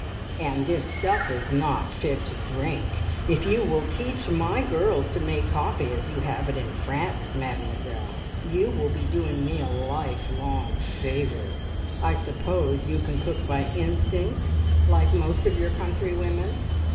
"And this stuff is not fit to drink! If you will teach my girls to make coffee as you have it in France, Mademoiselle, you will be doing me a lifelong favour. I suppose you can cook by instinct, like most of your countrywomen?"